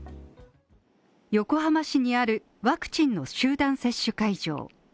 横浜市にあるワクチンの集団接種会場。